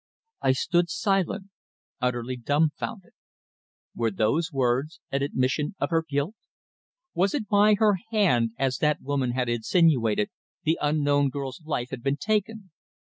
I stood silent, utterly dumbfounded. Were those words an admission of her guilt? Was it by her hand, as that woman had insinuated, the unknown girl's life had been taken?